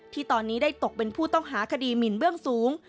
ที่ตอนนี้ได้ตกเป็นผู้ต้องหาคดีหมินเบื้องสูง